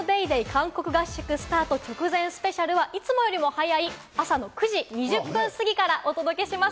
韓国合宿スタート直前スペシャルはいつもより早い朝の９時２０分過ぎからお届けします。